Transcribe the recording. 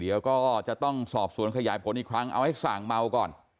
เดี๋ยวก็จะต้องสอบสวนขยายผลอีกครั้งเอาให้สั่งเมาก่อน